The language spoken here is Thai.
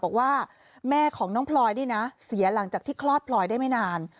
บอกว่าแม่ของน้องพลอยนี่นะเสียหลังจากที่คลอดพลอยได้ไม่นาน